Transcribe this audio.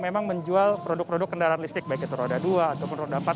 memang menjual produk produk kendaraan listrik baik itu roda dua ataupun roda empat